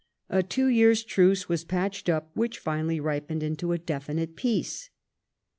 A two years' truce was patched up, which finall}^ ripened into a definite peace.